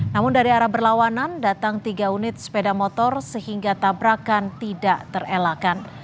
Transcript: namun dari arah berlawanan datang tiga unit sepeda motor sehingga tabrakan tidak terelakkan